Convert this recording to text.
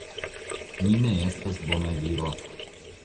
Mi ne estas bona viro.